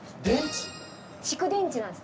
蓄電池なんです